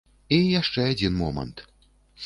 І яшчэ адзін момант.